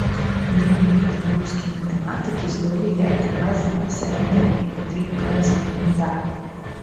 Юныя беларускія матэматыкі здолелі атрымаць два сярэбраныя і тры бронзавыя медалі.